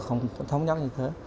không nhất như thế